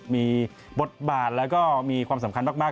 มีบทบาทแล้วก็มีความสำคัญมาก